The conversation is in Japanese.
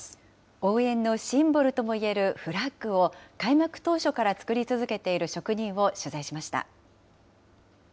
応援のシンボルともいえるフラッグを開幕当初から作り続けている職人を取材しました。